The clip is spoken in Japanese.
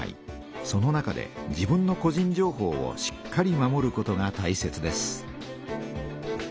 その中で自分の個人情報をしっかり守ることがたいせつです。